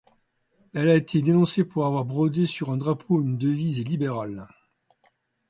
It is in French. Elle a été dénoncée pour avoir brodé sur un drapeau une devise libérale.